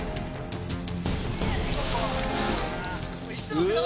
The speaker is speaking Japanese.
うわ